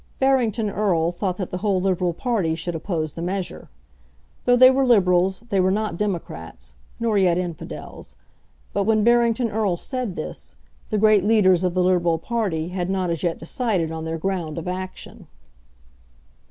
Barrington Erle thought that the whole Liberal party should oppose the measure. Though they were Liberals they were not democrats; nor yet infidels. But when Barrington Erle said this, the great leaders of the Liberal party had not as yet decided on their ground of action.